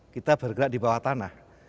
kita bergerak di bawah tanah